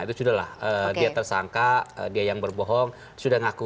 itu sudah lah dia tersangka dia yang berbohong sudah ngaku